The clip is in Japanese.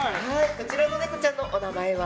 こちらのネコちゃんのお名前は？